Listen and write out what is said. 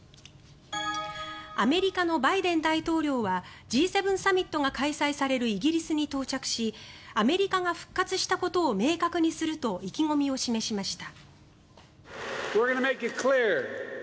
アメリカのバイデン大統領はＧ７サミットが開催されるイギリスに到着しアメリカが復活したことを明確にすると意気込みを示しました。